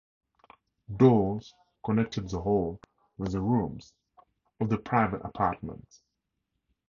Doors connected the hall with the rooms of the private apartments.